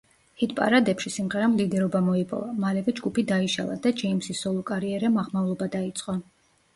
ჰიტ-პარადებში სიმღერამ ლიდერობა მოიპოვა, მალევე ჯგუფი დაიშალა და ჯეიმსის სოლო კარიერამ აღმავლობა დაიწყო.